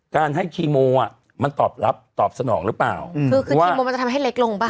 การให้คีโมอ่ะมันตอบรับตอบสนองหรือเปล่าคือคือคีโมมันจะทำให้เล็กลงป่